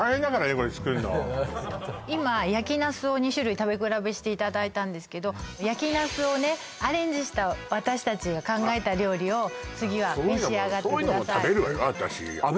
これ作るの今焼きナスを２種類食べ比べしていただいたんですけど焼きナスをねアレンジした私たちが考えた料理を次は召し上がってくださいそういうのも食べるわよ